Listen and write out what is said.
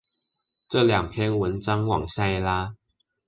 這兩篇文章往下一拉